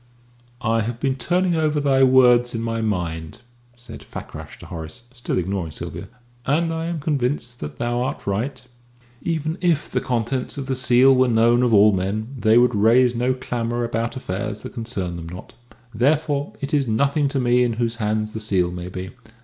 "I have been turning over thy words in my mind," said Fakrash to Horace, still ignoring Sylvia, "and I am convinced that thou art right. Even if the contents of the seal were known of all men, they would raise no clamour about affairs that concern them not. Therefore it is nothing to me in whose hands the seal may be.